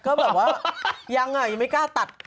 ก็แบบว่ายังไม่กล้าตัด